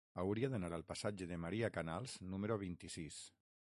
Hauria d'anar al passatge de Maria Canals número vint-i-sis.